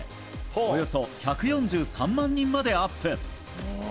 およそ１４３万人までアップ！